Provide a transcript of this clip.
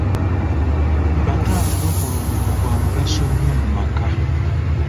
Bataata bakola omulimu gwa mugaso nnyo mu maka.